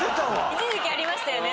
一時期ありましたよね